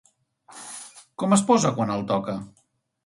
Com es posa quan el toca?